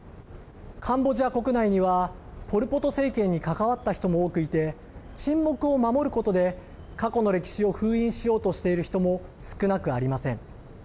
カンボジア国内にはポル・ポト政権に関わった人も多くいて沈黙を守ることで過去の歴史を封印しようとしている人も少なくありません。